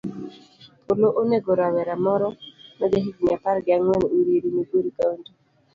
Polo onego rawera maja higni apar gi ang'wen uriri, migori kaunti.